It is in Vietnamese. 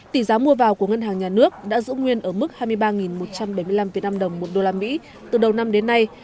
tỷ giá mua vào của ngân hàng nhà nước đã giữ nguyên ở mức hai mươi ba một trăm bảy mươi năm năm đồng một đô la mỹ từ đầu năm đến nay